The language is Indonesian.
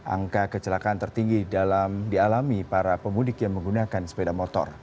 angka kecelakaan tertinggi dalam dialami para pemudik yang menggunakan sepeda motor